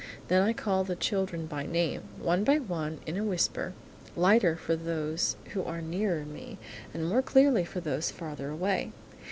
Then I call the children by name, one by one, in a whisper, lighter for those who are nearer me, and more clearly for those farther away.